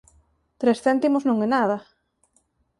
Tres céntimos non é nada.